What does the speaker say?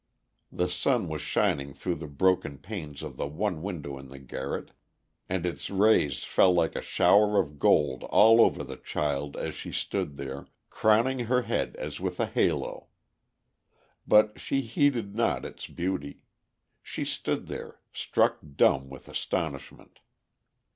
The sun was shining through the broken panes of the one window in the garret, and its rays fell like a shower of gold all over the child as she stood there, crowning her head as with a halo. But she heeded not its beauty. She stood there, struck dumb with astonishment.